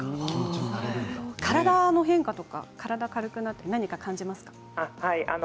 体の変化とか体が軽くなって、感じますか？